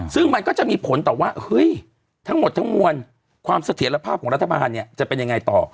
ซึ่งมันก็จะมีผลต่อว่าเฮ้ยทั้งหมดทั้งมวลความเสถียรภาพของรัฐบาลเนี่ยจะเป็นยังไงต่อ